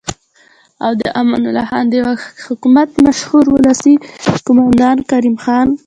او د امان الله خان د حکومت مشهور ولسي قوماندان کریم خان